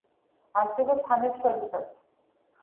ასევე ფანებს შორისაც.